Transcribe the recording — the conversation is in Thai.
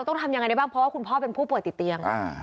ต้องทำยังไงได้บ้างเพราะว่าคุณพ่อเป็นผู้ป่วยติดเตียง